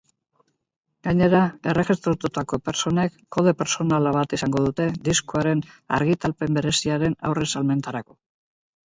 Gainera, erregistratutako pertsonek kode pertsonala bat izango dute diskoaren argitalpen bereziaren aurre-salmentarako.